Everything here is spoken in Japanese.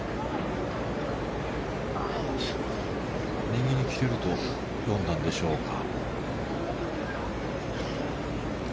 右に切れると読んだんでしょうか。